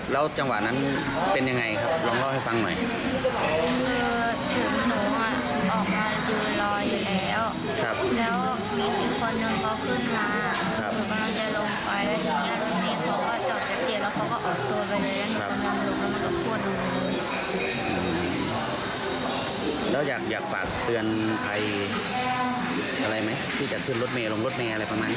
แล้วอยากฝากเตือนไปอะไรไหมที่จัดขึ้นรถเมลงรถเมลงอะไรประมาณนี้